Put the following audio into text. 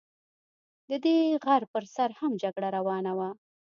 د دې غر پر سر هم جګړه روانه وه.